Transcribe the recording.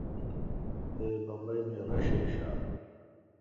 تے بمبئ می راݭل ݭات۔